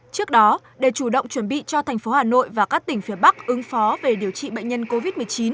trước đó để chủ động chuẩn bị cho thành phố hà nội và các tỉnh phía bắc ứng phó về điều trị bệnh nhân covid một mươi chín